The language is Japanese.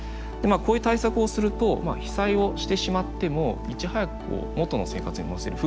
こういう対策をすると被災をしてしまってもいち早く元の生活に戻せる。